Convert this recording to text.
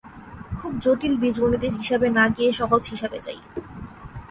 খুব জটিল বীজগণিতের হিসাবে না গিয়ে সহজ হিসাবে যাই।